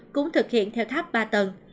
cũng thực hiện theo tháp ba tầng